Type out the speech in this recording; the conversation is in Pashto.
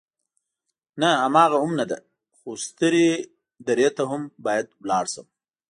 نه، هماغه هم نه ده، خو سترې درې ته هم باید ولاړ شم.